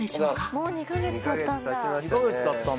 もう２か月たったんだ。